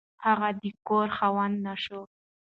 هغه د کور خاوند نه شو.